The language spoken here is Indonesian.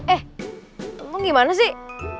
eh kentung gimana sih